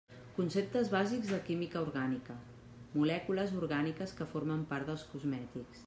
Conceptes bàsics de química orgànica: molècules orgàniques que formen part dels cosmètics.